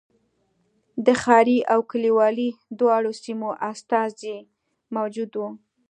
د ښاري او کلیوالي دواړو سیمو استازي موجود و.